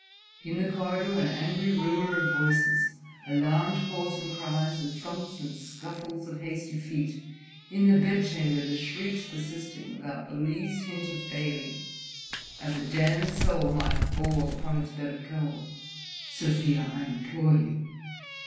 In the corridor an angry rumour of voices, alarmed calls and cries, with thumps and scuffles of hasty feet, in the bedchamber the shrieks persisting without the least hint of failing: as a damned soul might bawl upon its bed of coals ... "Sofia, I implore you!"